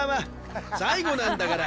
最後なんだから」